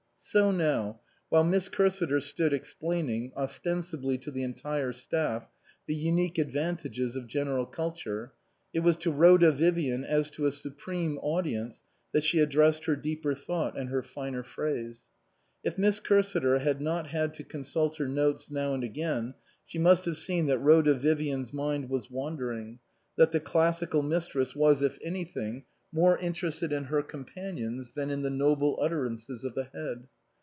So now, while Miss Cursiter stood explaining, ostensibly to the entire staff, the unique ad vantages of General Culture, it was to Rhoda Vivian as to a supreme audience that she ad dressed her deeper thought and her finer phrase. If Miss Cursiter had not had to con sult her notes now and again, she must have seen that Rhoda Vivian's mind was wandering, that the Classical Mistress was if anything 220 INAUGURAL ADDRESSES more interested in her companions than in the noble utterances of the Head.